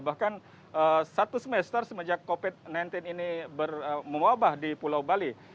bahkan satu semester semenjak covid sembilan belas ini mewabah di pulau bali